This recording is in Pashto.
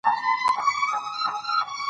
او بل څوک د ده په رنګ حرامزاده وي